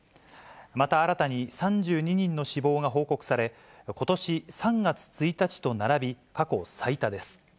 また、新たに３２人の死亡が報告され、ことし３月１日と並び、過去最多です。